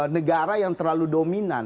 negara yang terlalu dominan